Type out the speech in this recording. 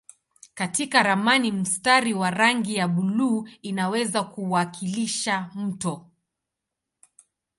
Katika ramani mstari wa rangi ya buluu unaweza kuwakilisha mto.